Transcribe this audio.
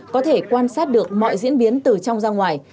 có thể quan sát được mọi diễn biến từ trong ra ngoài